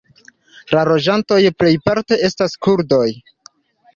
La loĝantoj plejparte estas kurdoj.